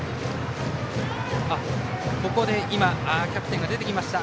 ここで、キャプテンが出てきました。